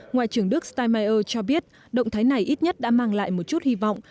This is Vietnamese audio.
ngoại trưởng đức steinmeier cho biết động thái này ít nhất đã mang lại một chút hy vọng